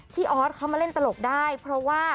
ออสเขามาเล่นตลกได้เพราะว่า